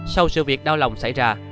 sau sự việc đau lòng xảy ra